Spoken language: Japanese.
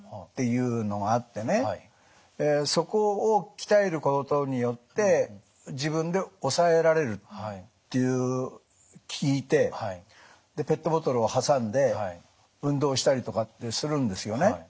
そこを鍛えることによって自分で抑えられると聞いてペットボトルを挟んで運動したりとかってするんですよね。